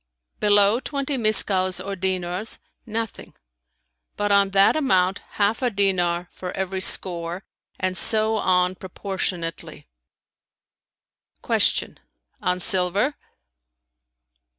"Below twenty miskals or dinars, nothing; but on that amount half a dinar for every score and so on proportionally.[FN#316]" Q "On silver?"